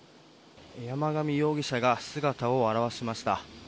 山上容疑者が姿を現しました。